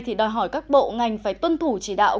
thì đòi hỏi các bộ ngành phải tuân thủ chỉ đạo